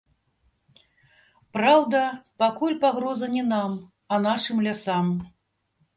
Праўда, пакуль пагроза не нам, а нашым лясам.